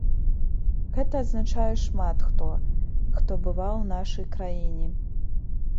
Гэта адзначае шмат хто, хто бываў у нашай краіне.